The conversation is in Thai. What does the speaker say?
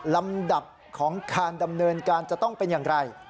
ลำดับของการดำเนินการจะต้องเป็นอย่างไร